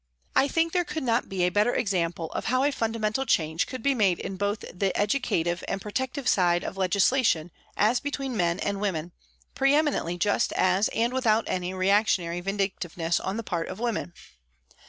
I think there could not be a better example of how a fundamental change could be made in both the educative and protective side of legislation as between men and women, pre eminently just and without any reactionary vindic tiveness on the part of women.